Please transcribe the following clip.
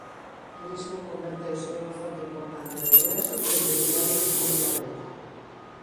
O turismo converteuse nunha fonte importante de ingresos desde mediados dos anos noventa.